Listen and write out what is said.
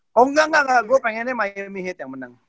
oh enggak enggak gue pengennya miami heat yang menang